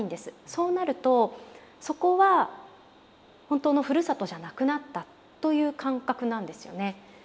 そうなるとそこは本当のふるさとじゃなくなったという感覚なんですよね。